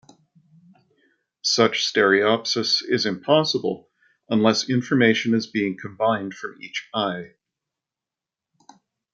Such stereopsis is impossible unless information is being combined from each eye.